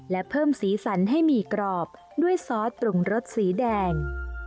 และเพิ่มสีสันให้มีกรอบด้วยซอสปรุงรสสีแดง